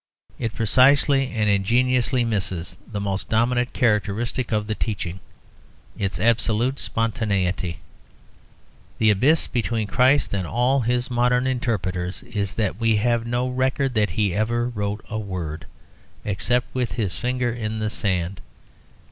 It precisely and ingeniously misses the most dominant characteristic of the teaching its absolute spontaneity. The abyss between Christ and all His modern interpreters is that we have no record that He ever wrote a word, except with His finger in the sand.